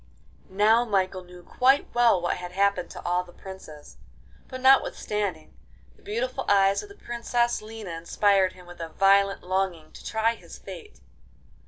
Now Michael knew quite well what had happened to all the princes, but notwithstanding, the beautiful eyes of the Princess Lina inspired him with a violent longing to try his fate.